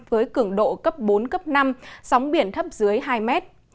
với cứng độ cấp bốn năm sóng biển thấp dưới hai mét